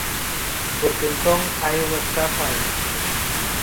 Porque entón hai unha estafa aí.